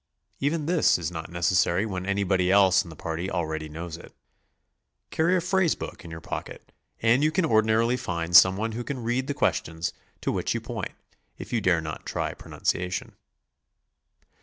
Even this is not necessary when anybody else in the party already knows it. Carry a phrase book in your pocket and you can ordi narily find some one who can read the questions to which you point, if you dare not try pronunciation.